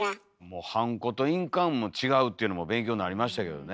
ハンコと印鑑も違うっていうのも勉強になりましたけどね。